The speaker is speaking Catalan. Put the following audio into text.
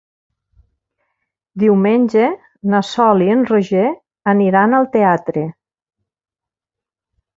Diumenge na Sol i en Roger aniran al teatre.